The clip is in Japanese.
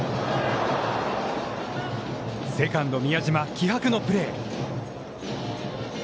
セカンド宮嶋、気迫のプレー。